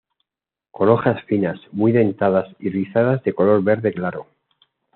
Con hojas finas, muy dentadas y rizadas de color verde claro.